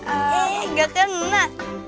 eh nggak kena